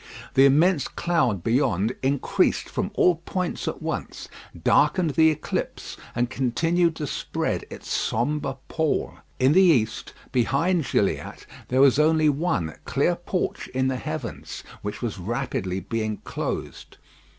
The immense cloud beyond increased from all points at once, darkened the eclipse, and continued to spread its sombre pall. In the east, behind Gilliatt, there was only one clear porch in the heavens, which was rapidly being closed.